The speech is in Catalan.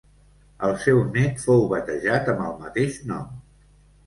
El seu nét fou batejat amb el mateix nom.